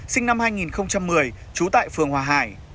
sinh năm hai nghìn một mươi trú tại phường hòa hải